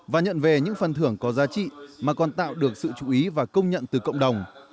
và nhận về những phần thưởng có giá trị mà còn tạo được sự chú ý và công nhận từ cộng đồng